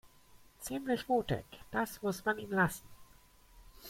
Ziemlich mutig, das muss man ihm lassen.